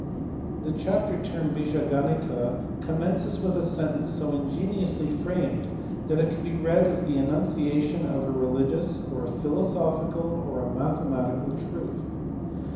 The chapter termed Bija Ganita commences with a sentence so ingeniously framed that it can be read as the enunciation of a religious, or a philosophical, or a mathematical truth.